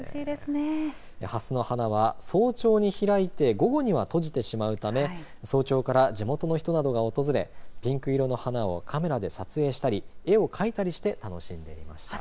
ハスの花は早朝に開いて午後には閉じてしまうため早朝から地元の人などが訪れピンク色の花をカメラで撮影したり絵を描いたりして楽しんでいました。